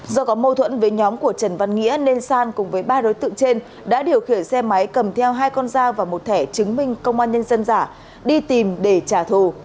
do có mâu thuẫn với nhóm của trần văn nghĩa nên san cùng với ba đối tượng trên đã điều khiển xe máy cầm theo hai con dao và một thẻ chứng minh công an nhân dân giả đi tìm để trả thù